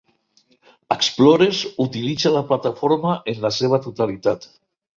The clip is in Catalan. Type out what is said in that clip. Xplorers utilitza la plataforma en la seva totalitat.